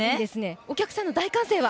お客さんの大歓声は？